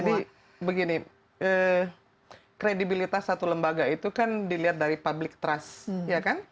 jadi begini kredibilitas satu lembaga itu kan dilihat dari public trust